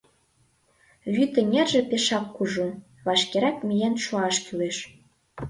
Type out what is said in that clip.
Вӱд эҥерже пешак кужу, вашкерак миен шуаш кӱлеш.